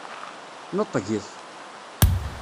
Neṭget!